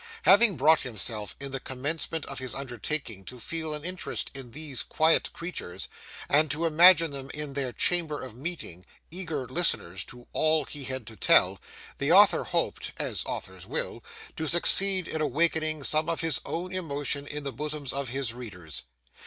Having brought himself in the commencement of his undertaking to feel an interest in these quiet creatures, and to imagine them in their chamber of meeting, eager listeners to all he had to tell, the Author hoped—as authors will—to succeed in awakening some of his own emotion in the bosoms of his readers.